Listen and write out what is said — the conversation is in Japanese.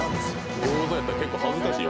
餃子やったら恥ずかしい。